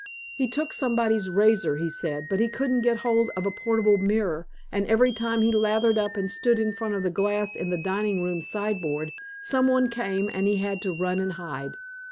He took somebody's razor, he said, but he couldn't get hold of a portable mirror, and every time he lathered up and stood in front of the glass in the dining room sideboard, some one came and he had had to run and hide.